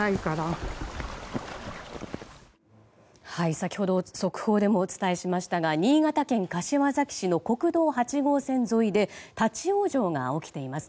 先ほど、速報でもお伝えしましたが新潟県柏崎市の国道８号線沿いで立ち往生が起きています。